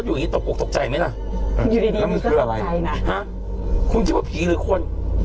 อยู่ดีนี่เพื่ออะไรนะฮะคุณคิดว่าผีหรือคน